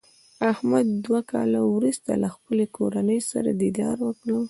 احمد دوه کاله ورسته له خپلې کورنۍ سره دیدار وکړ.